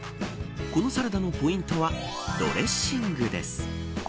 このサラダのポイントはドレッシングです。